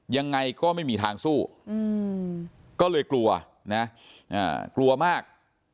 ยังไงก็ไม่มีทางสู้ก็เลยกลัวนะกลัวมาก